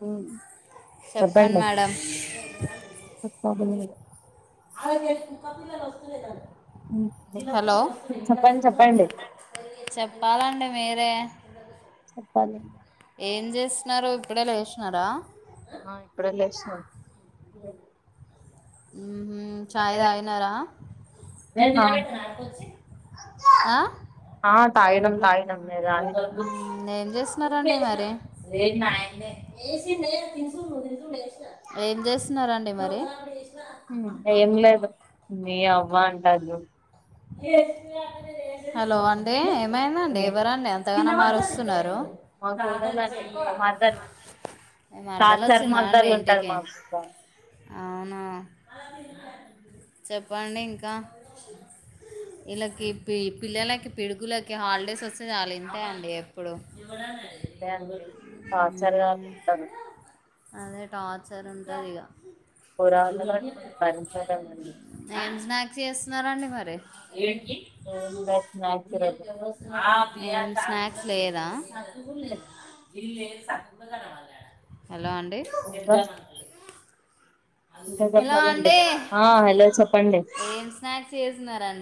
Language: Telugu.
హు చెప్పండి చెప్పాలి మీరే చెప్పండి చెప్పండి చెప్పాలి [inaudible] ఆ ఇపుడే లేసా ఆ తగినం తగినం మీరు తాగి రా స్తున్నారండి మరి ఏం చేస్తున్నరండి మరి హు ఏం లేదు మి వంటలు అవునా మరదల్ టార్చర్ మరదలు ఉంటది మాకు అవునా చెప్పండి ఇంకా ఇలాకి [inaudible] అంతే అండి టార్చర్ గా కుంటారు అదే టా వేరే వాళ్ళు గాని భరించలేమండి [unintelligible] హలో అండి హలో అండి ఏం స్నాక్స్ చేసన్నారు